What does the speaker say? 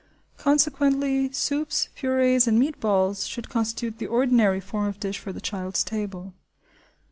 Consequently, soups, purées, and meat balls should constitute the ordinary form of dish for the child's table.